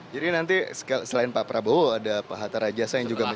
jadi nanti selain pak prabowo ada pak hatta rajasa yang juga